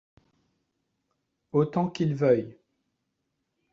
Autant qu’il veuille.